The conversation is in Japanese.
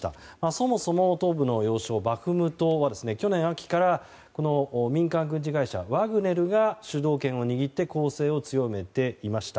そもそも、東部の要衝バフムトは去年秋から民間軍事会社ワグネルが主導権を握って攻勢を強めていました。